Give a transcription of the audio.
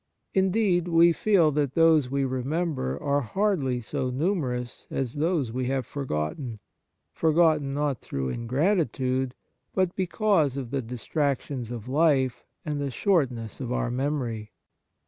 Indeed, we feel that those we remember are hardly so numerous as those we have forgotten — forgotten not through ingratitude, but because of the distractions of life and the shortness of our memory.